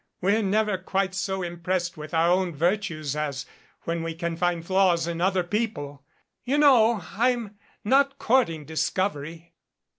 We're never quite so impressed with our own virtues as when we can find flaws in other people. But you know I'm not courting discovery."